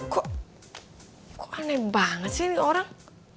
kok aneh banget sih orang